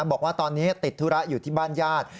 บอกว่าตอนนี้ติดธุระอยู่ที่บ้านญาติ